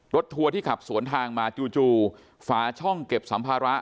ทัวร์ที่ขับสวนทางมาจู่ฝาช่องเก็บสัมภาระ